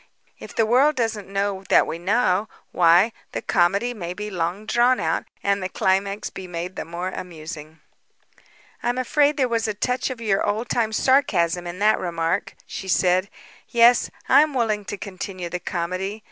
If the world doesn't know that we know, why, the comedy may be long drawn out and the climax be made the more amusing." "I'm afraid there was a touch of your old time sarcasm in that remark," she said. "Yes, I am willing to continue the comedy.